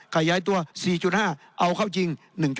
ขยายตัว๔๕เอาเข้าจริง